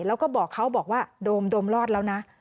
แล้วก็บอกเขาบอกว่าโดมรอดแล้วนะ